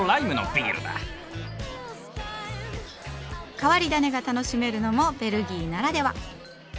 変わり種が楽しめるのもベルギーならでは。